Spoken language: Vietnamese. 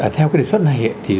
theo đề xuất này